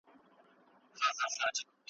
ساندي مرګونه اوري `